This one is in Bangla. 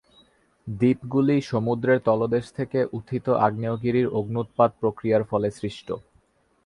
দ্বীপগুলি সমুদ্রের তলদেশ থেকে উত্থিত আগ্নেয়গিরির অগ্ন্যুৎপাত প্রক্রিয়ার ফলে সৃষ্ট।